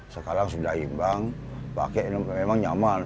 sekarang sudah imbang pakai memang nyaman